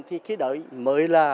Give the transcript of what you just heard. thì khi đợi mới là xử lý